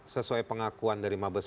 sesuai pengakuan dari mabes